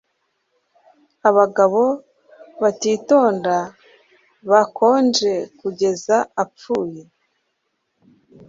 Abagabo batitonda bakonje kugeza apfuye